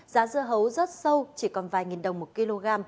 giá dưa hấu rất sâu chỉ còn vài nghìn đồng một kg